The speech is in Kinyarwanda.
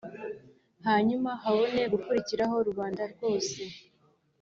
hanyuma habone gukurikiraho rubanda rwose.